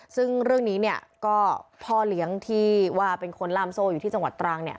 ซึ่งเรื่องนี้เนี่ยก็พ่อเลี้ยงที่ว่าเป็นคนล่ามโซ่อยู่ที่จังหวัดตรังเนี่ย